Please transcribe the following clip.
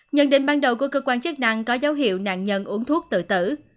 nhận định ban đầu của cơ quan chức năng có dấu hiệu nạn nhân uống thuốc tự tử